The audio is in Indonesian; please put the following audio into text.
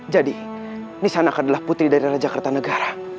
jadi nisanak adalah putri dari jakarta negara